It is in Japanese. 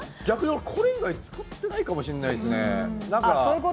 逆に俺、これ以外使ってないかもしれないですね。